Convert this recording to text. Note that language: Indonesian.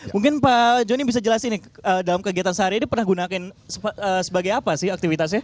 mungkin pak joni bisa jelasin nih dalam kegiatan sehari ini pernah gunakan sebagai apa sih aktivitasnya